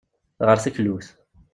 Ɣer teklut.